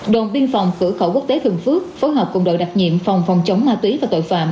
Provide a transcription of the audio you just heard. đồn biên phòng cửa khẩu quốc tế thường phước phối hợp cùng đội đặc nhiệm phòng phòng chống ma túy và tội phạm